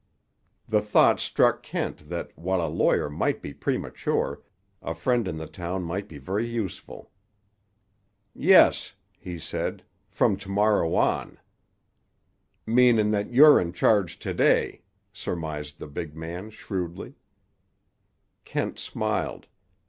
The thought struck Kent that, while a lawyer might be premature, a friend in the town might be very useful. "Yes," he said; "from to morrow on." "Meanin' that you're in charge to day," surmised the big man shrewdly. Kent smiled.